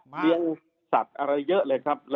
เลี้ยงสัตว์อะไรเยอะเลยครับ